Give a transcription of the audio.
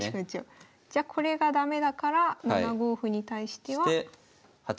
じゃこれが駄目だから７五歩に対しては。